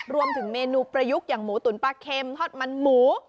รวมถึงเมนูประยุกต์อย่างหมูตุ๋นปลาเค็มทอดมันหมู